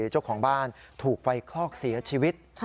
เจ้าของบ้านถูกไฟคลอกเสียชีวิต